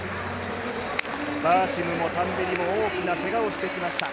バーシムもタンベリも大きなけがをしてきました。